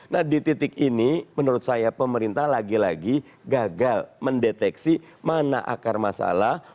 nah di titik ini menurut saya pemerintah lagi lagi gagal mendeteksi mana akar masalah